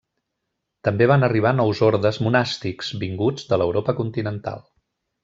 També van arribar nous ordes monàstics, vinguts de l'Europa continental.